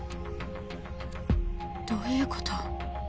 どういうこと？